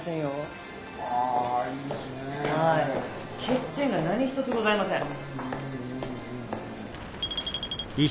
欠点が何一つございません。